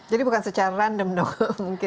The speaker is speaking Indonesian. jadi bukan secara random dong